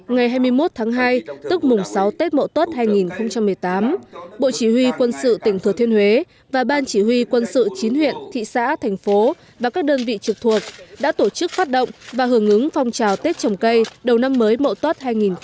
ngày hai mươi một tháng hai tức mùng sáu tết mậu tuất hai nghìn một mươi tám bộ chỉ huy quân sự tỉnh thừa thiên huế và ban chỉ huy quân sự chín huyện thị xã thành phố và các đơn vị trực thuộc đã tổ chức phát động và hưởng ứng phong trào tết trồng cây đầu năm mới mậu tuất hai nghìn một mươi chín